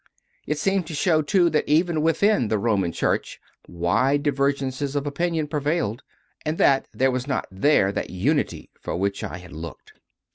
It seemed to show too that even within the Roman Church wide divergences of opinion prevailed, and that there was not there that Unity for which I had 88 CONFESSIONS OF A CONVERT looked.